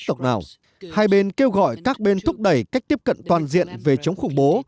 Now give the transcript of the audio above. độc nào hai bên kêu gọi các bên thúc đẩy cách tiếp cận toàn diện về chống khủng bố